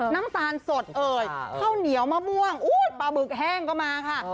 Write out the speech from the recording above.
น้ำตาลสดเอ่ยข้าวเหนียวมะม่วงปลาหมึกแห้งก็มาค่ะ